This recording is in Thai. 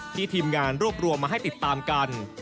ทีมงานรวบรวมมาให้ติดตามกัน